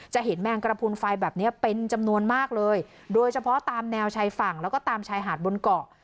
จะเห็นแมงกระพูนไฟแบบนี้เป็นจำนวนมากเลยโดยเฉพาะตามแนวชายฝั่งแล้วก็ตามชายหาดบนเกาะ